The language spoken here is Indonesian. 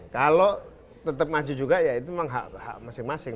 kalau tetap maju juga ya itu memang hak masing masing